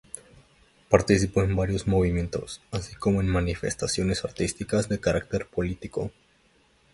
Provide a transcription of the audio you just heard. Participó en varios movimientos, así como en manifestaciones artísticas de carácter político.